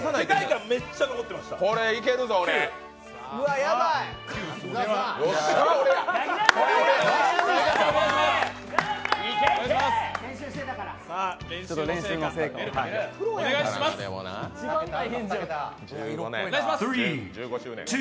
世界観めっちゃ残ってました、９。